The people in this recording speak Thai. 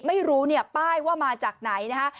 ไม่รู้เนี่ยป้ายว่ามาจากไหนนะคะ